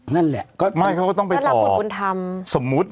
คืออาจารย์พยนตร์กุฎกุลธรรม